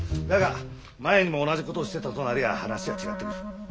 だが前にも同じことをしてたとなりゃあ話が違ってくる。